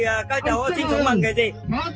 các cháu sinh sống bằng cái gì